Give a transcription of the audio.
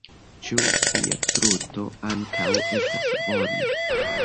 Ĉu via truto ankaŭ estas bona?